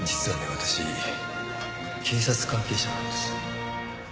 私警察関係者なんです。